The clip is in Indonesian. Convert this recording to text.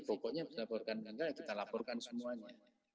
pokoknya dilaporkan kita laporkan semuanya